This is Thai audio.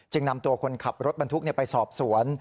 นำตัวคนขับรถบรรทุกไปสอบสวน